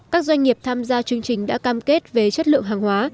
các doanh nghiệp tham gia chương trình đã cam kết về chất lượng hàng hóa